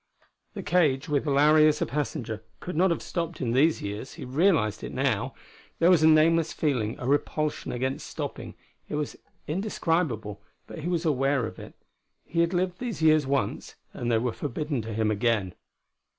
The cage, with Larry as a passenger, could not have stopped in these years: he realized it, now. There was a nameless feeling, a repulsion against stopping; it was indescribable, but he was aware of it. He had lived these years once, and they were forbidden to him again.